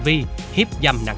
của tội ác